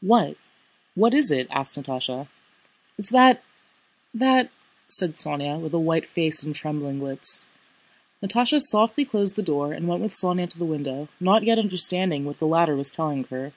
"What? What is it?" asked Natásha. "It's that, that..." said Sónya, with a white face and trembling lips. Natásha softly closed the door and went with Sónya to the window, not yet understanding what the latter was telling her.